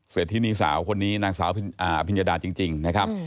เสร็จที่นี่สาวคนนี้นางสาวอ่าพิญญดาจริงจริงนะครับ